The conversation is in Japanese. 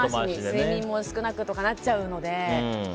睡眠も少なくなっちゃうので。